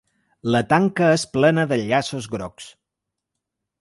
La tanca és plena de llaços grocs.